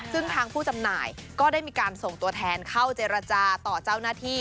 ซึ่งทางผู้จำหน่ายก็ได้มีการส่งตัวแทนเข้าเจรจาต่อเจ้าหน้าที่